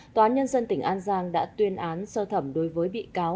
tòa án nhân dân tỉnh an giang đã tuyên án sơ thẩm đối với bị cáo